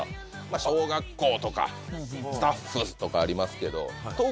「小学校」とか「スタッフ」とかありますけど。